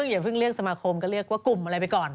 อย่าเพิ่งเรียกสมาคมก็เรียกว่ากลุ่มอะไรไปก่อน